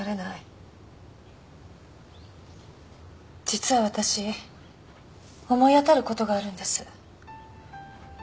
実は私思い当たる事があるんです。